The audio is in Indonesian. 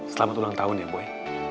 selamat ulang tahun ya boy